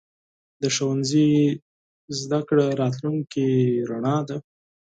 د ښوونځي زده کړه راتلونکې رڼا ده.